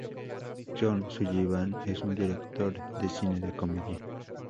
John L. Sullivan es un director de cine de comedia.